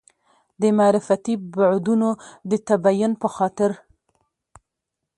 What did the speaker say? د معرفتي بعدونو د تبیین په خاطر.